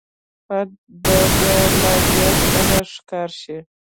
فرد به د لا زیات قهر ښکار شي.